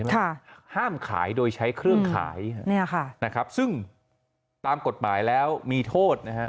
ข้อ๔ห้ามขายโดยใช้เครื่องขายซึ่งตามกฎหมายแล้วมีโทษ